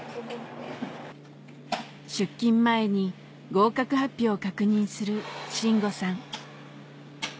出勤前に合格発表を確認する信吾さん